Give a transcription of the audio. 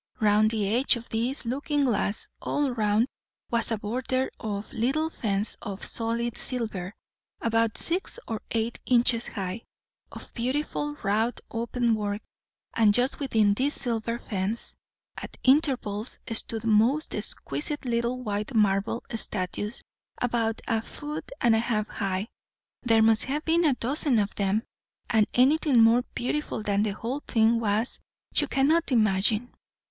Round the edge of this looking glass, all round, was a border or little fence of solid silver, about six or eight inches high; of beautiful wrought open work; and just within this silver fence, at intervals, stood most exquisite little white marble statues, about a foot and a half high. There must have been a dozen of them; and anything more beautiful than the whole thing was, you cannot imagine."